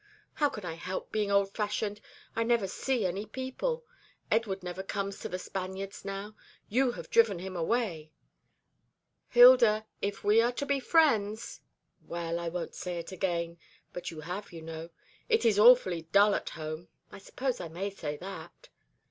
"How can I help being old fashioned? I never see any young people. Edward never comes to The Spaniards now. You have driven him away." "Hilda, if we are to be friends " "Well, I won't say it again; but you have, you know. It is awfully dull at home. I suppose I may say that?"